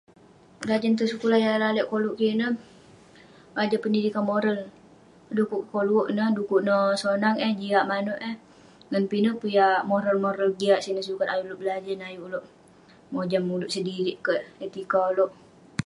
Berajan yah lak sekulah koluek kik ineh adelah pendidikan moral ineh dukuk kik koluk ineh dukuk neh sonang eh jiak manouk eh dan pinek peh yah moral-moral yah jiak sineh sukat ayuk oluek berajan ayuk oleuk mojam oleuk sedirik kek etika oleuk